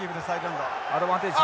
アドバンテージ。